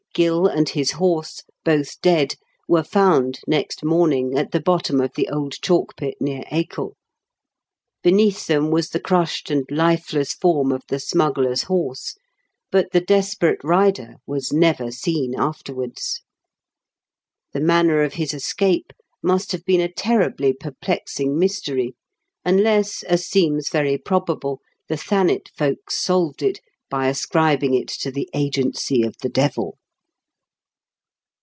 Gill and bis borse, botb dead, were found next morning at tbe bottom of tbe old cbalk pit near AcoL Beneatb tbem was tbe crusbed and lifeless form of tbe smuggler's borse, but tbe desperate rider was never seen afterwards. Tbe manner of bis escape must bave been a terribly perplexing mystery, unless, as seems very probable, tbe Tbanet folks solved it by ascribing it to tbe agency of tbe devil.